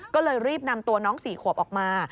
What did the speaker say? ก็เลยรีบนำตัวน้อง๔ขวบออกมา